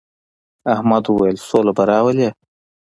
احمد وويل: سوله به راولې.